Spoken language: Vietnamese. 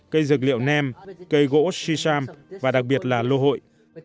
cây dược liệu nem cây gỗ shisham và đặc biệt là lô hội